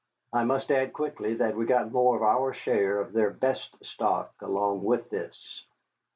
I must add quickly that we got more than our share of their best stock along with this.